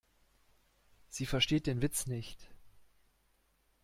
Sie versteht den Witz nicht.